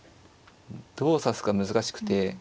どう指すか難しくて。